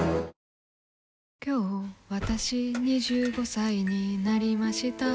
今日わたし、２５歳になりました。